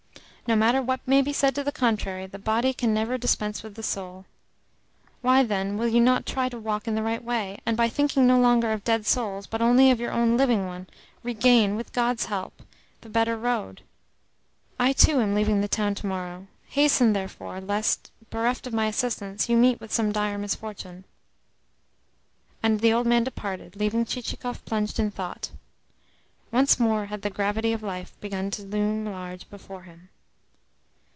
No matter what may be said to the contrary, the body can never dispense with the soul. Why, then, will you not try to walk in the right way, and, by thinking no longer of dead souls, but only of your only living one, regain, with God's help, the better road? I too am leaving the town to morrow. Hasten, therefore, lest, bereft of my assistance, you meet with some dire misfortune." And the old man departed, leaving Chichikov plunged in thought. Once more had the gravity of life begun to loom large before him.